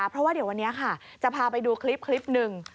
เพราะว่าเดี๋ยววันนี้ค่ะจะพาไปดูคลิปหนึ่ง